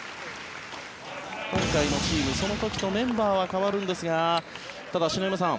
今回のチーム、その時とメンバーは変わるんですがただ、篠山さん